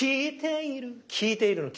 「きいている」の「き」